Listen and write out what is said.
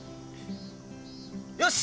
よし！